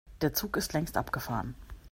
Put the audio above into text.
Der Zug ist längst abgefahren.